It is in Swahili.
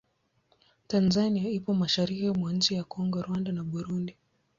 Tanzania ipo mashariki mwa nchi za Kongo, Rwanda na Burundi.